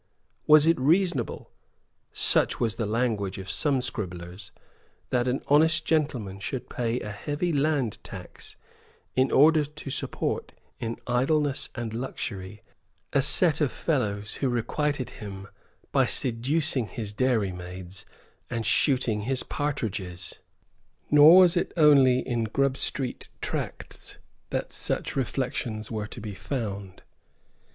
Was it reasonable, such was the language of some scribblers, that an honest gentleman should pay a heavy land tax, in order to support in idleness and luxury a set of fellows who requited him by seducing his dairy maids and shooting his partridges? Nor was it only in Grub Street tracts that such reflections were to be found.